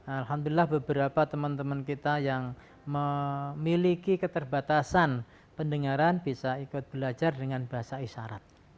alhamdulillah beberapa teman teman kita yang memiliki keterbatasan pendengaran bisa ikut belajar dengan bahasa isyarat